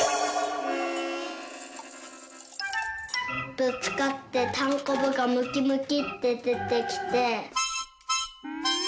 「ぶつかってたんこぶがムキムキってでてきて」。